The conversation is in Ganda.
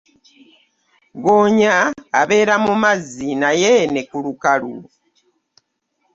Ggoonya abeera mu mazzi naye ne ku lukalu.